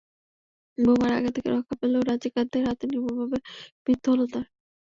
বোমার আঘাত থেকে রক্ষা পেলেও রাজাকারদের হাতে নির্মমভাবে মৃত্যু হলো তাঁর।